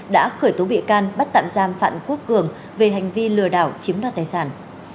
đã khởi tố bị can bắt tạm giam phạm quốc cường về hành vi lừa đảo chiếm đoạt tài sản